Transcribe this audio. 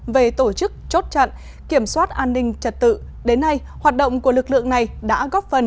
về tổ chức chốt chặn kiểm soát an ninh trật tự đến nay hoạt động của lực lượng này đã góp phần